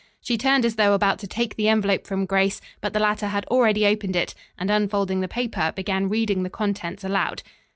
She turned as though about to take the envelope from Grace, but the latter had already opened it, and unfolding the paper began reading the contents aloud.